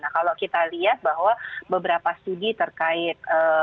nah kalau kita lihat bahwa beberapa studi terkait